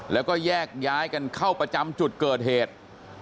แล้วก็แยกย้ายกันเข้าประจำจุดเกิดเหตุ